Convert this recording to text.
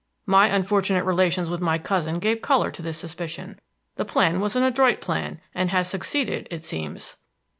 My unfortunate relations with my cousin gave color to this suspicion. The plan was an adroit plan, and has succeeded, it seems."